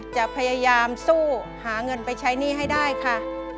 จะพยายามสู้หาเงินไปใช้หนี้ให้ได้ค่ะ